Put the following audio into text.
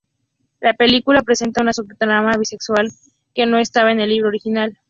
La película presenta una subtrama bisexual que no estaba en el libro original.